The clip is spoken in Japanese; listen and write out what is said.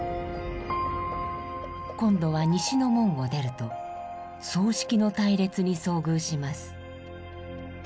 今度は西の門を出ると葬式の隊列に遭遇します。